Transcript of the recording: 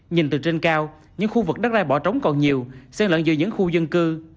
nhìn từ trên cao những khu vực đất đai bỏ trống còn nhiều sen lẫn giữa những khu dân cư